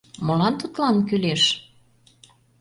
Молан тудлан кӱлеш?